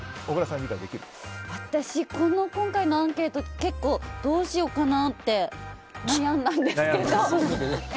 私、今回のアンケート、結構どうしようかなって悩んだんですけど。